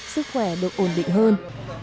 sức khỏe được ổn định hơn